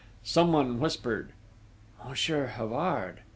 Someone whispered: "Monsieur Havard!"